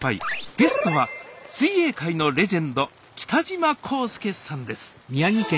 ゲストは水泳界のレジェンド北島康介さんです